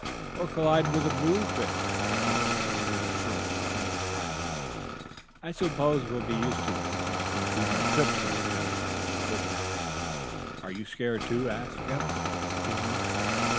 "Or collide with a blue fish," suggested Hal, with a short, nervous laugh. "I suppose we'll be used to this, after a few more trips," laughed Jack, with an effort. "Are you scared, too?" asked Eph, keenly.